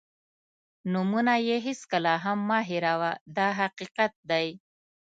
نومونه یې هېڅکله هم مه هېروه دا حقیقت دی.